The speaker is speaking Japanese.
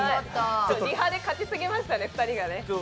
リハで勝ちすぎましたね、２人がね。